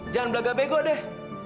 jangan berlagak bego deh